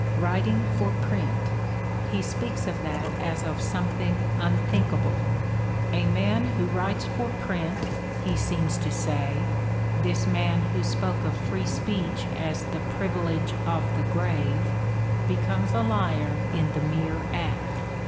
"Writing for print!" — ^he speaks of that as of something unthinkable. A man who writes for print, he seems to suy, this man who spoke of free speech as the "Privilege of the Grave," 252 The Ordeal of Mark Twain becomes a liar in the mere act.